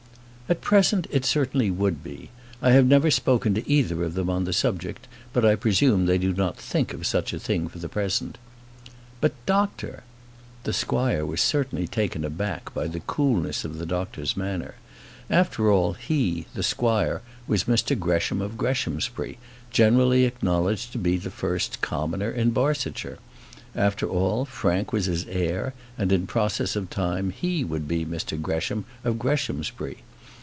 "At present, it certainly would be. I have never spoken to either of them on the subject; but I presume they do not think of such a thing for the present." "But, doctor " The squire was certainly taken aback by the coolness of the doctor's manner. After all, he, the squire, was Mr Gresham of Greshamsbury, generally acknowledged to be the first commoner in Barsetshire; after all, Frank was his heir, and, in process of time, he would be Mr Gresham of Greshamsbury.